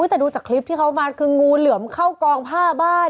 แต่ดูจากคลิปที่เขามาคืองูเหลือมเข้ากองผ้าบ้าน